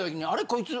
こいつ。